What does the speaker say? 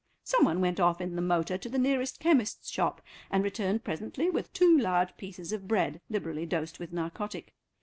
Some one went off in the motor to the nearest chemist's shop and returned presently with two large pieces of bread, liberally dosed with narcotic.